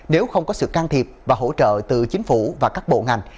nếu không có sự can thiệp và hỗ trợ từ chính phủ và các bộ ngành